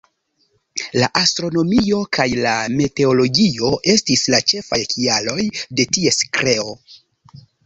La astronomio kaj la meteologio estis la ĉefaj kialoj de ties kreo.